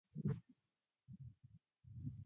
咲いた花は悪い匂いがした。